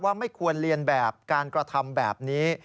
ไม่ควรเรียนแบบการกระทำแบบนี้